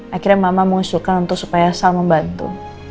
akhirnya mama mengusulkan untuk supaya saling membantu